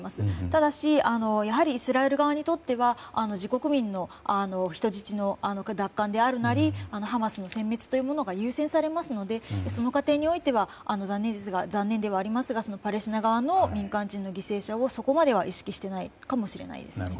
ただ、やはりイスラエル側にとっては自国民の人質の奪還であるなりハマスのせん滅というものが優先されますのでその過程においては残念ではありますがパレスチナ側の民間人の犠牲者をそこまでは意識していないかもしれないですね。